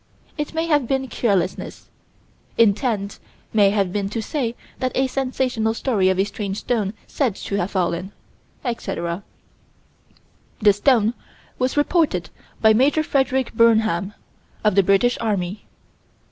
It may have been carelessness: intent may have been to say that a sensational story of a strange stone said to have fallen, etc. This stone was reported by Major Frederick Burnham, of the British Army.